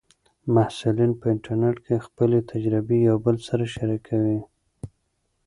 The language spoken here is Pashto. محصلین په انټرنیټ کې خپلې تجربې یو بل سره شریکوي.